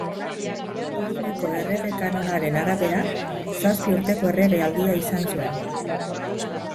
Turineko Errege Kanonaren arabera, zazpi urteko erregealdia izan zuen.